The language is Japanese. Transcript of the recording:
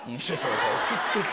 落ち着けって。